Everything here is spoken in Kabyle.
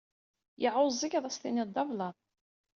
Yeɛɛuẓẓeg ad s-tiniḍ d ablaḍ.